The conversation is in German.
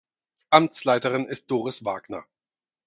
Amtsleiterin ist Doris Wagner.